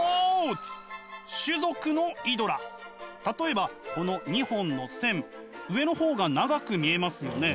例えばこの２本の線上の方が長く見えますよね？